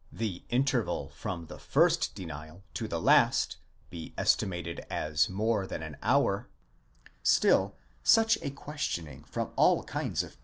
the interval from the first denial to the last be estimated as Ew NS more than an hour, still such a questioning from all kinds of people on all.